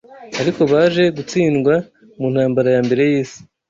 ariko baje gutsindwa mu ntambara ya mbere y’isi